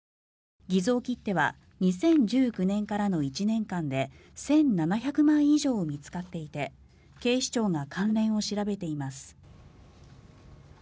偽造切手は２０１９年からの１年間で１７００枚以上見つかっていて警視庁が関連を調べています。